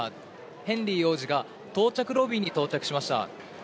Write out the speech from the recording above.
ヘンリー王子が到着ロビーに到着しました。